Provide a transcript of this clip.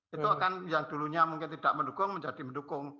itu akan yang dulunya mungkin tidak mendukung menjadi mendukung